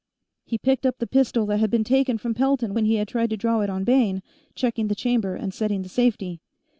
He picked up the pistol that had been taken from Pelton when he had tried to draw it on Bayne, checking the chamber and setting the safety.